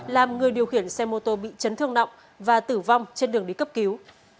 làm người điều khiển xe mô tô bị chấn thương nọng và tử vong trên đường đi cấp cứu